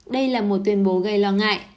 đây là một tuyên bố gây lo ngại